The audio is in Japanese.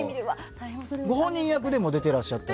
ご本人役でも出ていらっしゃって。